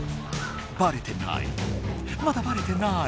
バレてない。